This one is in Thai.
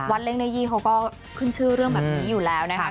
เล่งเนื้อยี่เขาก็ขึ้นชื่อเรื่องแบบนี้อยู่แล้วนะคะ